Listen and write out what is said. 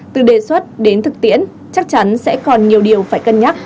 từ đề xuất đến thực tiễn chắc chắn sẽ còn nhiều điều phải cân nhắc